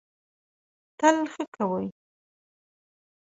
تل ښه کوی.